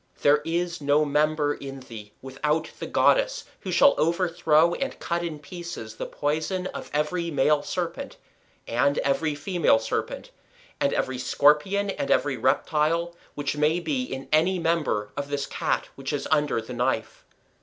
There is no member in thee without the goddess who shall overthrow and cut in pieces the poison of every male serpent, and every female serpent, and every scorpion, and every reptile, which may be in any member of this Cat which is under the knife.